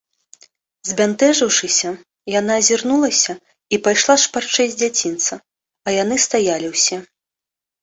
Збянтэжыўшыся, яна азірнулася і пайшла шпарчэй з дзядзінца, а яны стаялі ўсе.